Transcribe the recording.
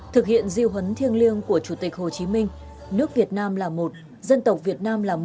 thực hiện diêu hấn thiêng liêng của chủ tịch hồ chí minh nước việt nam là một